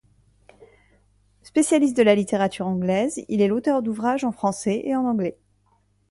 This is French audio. Spécialiste de la littérature anglaise, il est l'auteur d'ouvrages en français et en anglais.